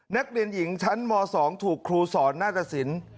นักเรียนหญิงชั้นม๒ถูกครูสอนหน้าตะสิน